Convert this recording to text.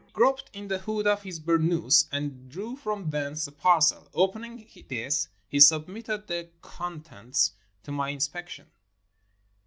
He groped in the hood of his burnous, and drew from thence a parcel. Opening this, he submitted the con tents to my inspection.